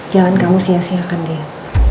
jangan kamu sia siakan dia